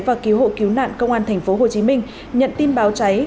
và cứu hộ cứu nạn công an tp hcm nhận tin báo cháy